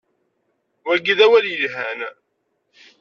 Wagi d awal yelhan.